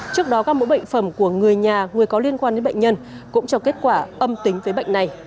trước đó các mẫu bệnh phẩm của người nhà người có liên quan đến bệnh nhân cũng cho kết quả âm tính với bệnh này